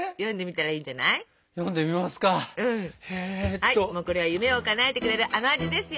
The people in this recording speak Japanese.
はいこれは夢をかなえてくれるあの味ですよ。